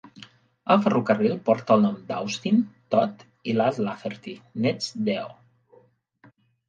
El ferrocarril porta el nom d'Austin, Todd i Ladd Lafferty, nets d'E. O.